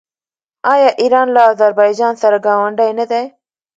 آیا ایران له اذربایجان سره ګاونډی نه دی؟